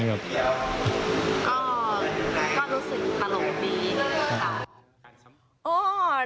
ก็รู้สึกประโหลดี